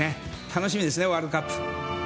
楽しみですね、ワールドカップ。